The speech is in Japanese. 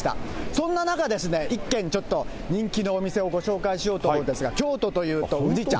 そんな中ですね、一軒ちょっと、人気のお店をご紹介しようと思うんですが、京都というと宇治茶。